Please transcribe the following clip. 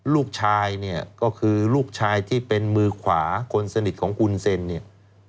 ลูกชายเนี่ยก็คือลูกชายที่เป็นมือขวาคนสนิทของคุณเซ็นเนี่ย